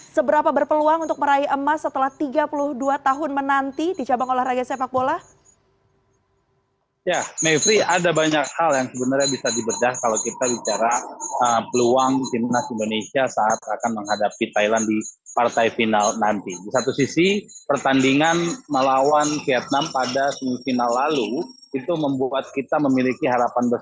seberapa berpeluang untuk meraih emas setelah tiga puluh dua tahun menanti di cabang olahraga sepak bola